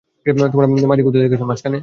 তোমরা কোথায় থেকে এসেছো, মাঝখানে?